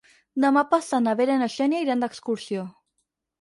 Demà passat na Vera i na Xènia iran d'excursió.